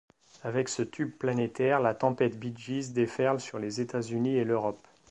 Avec ce tube planétaire la tempête Bee Gees déferle sur les États-Unis et l'Europe.